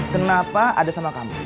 kenapa ada sama kamu